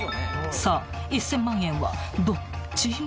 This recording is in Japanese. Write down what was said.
［さあ１，０００万円はどっち？］